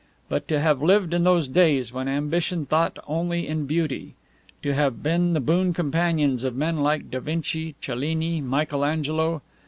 But to have lived in those days when ambition thought only in beauty! To have been the boon companions of men like Da Vinci, Cellini, Michelangelo!